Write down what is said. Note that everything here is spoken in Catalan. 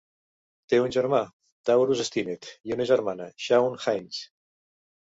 Té un germà, Taurus Stinnett, i una germana, Shaun Haynes.